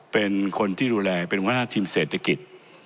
เป็นคนที่ดูแลเป็นหัวหน้าทีมเศรษฐกิจ